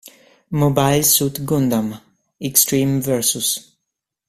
Mobile Suit Gundam: Extreme Vs.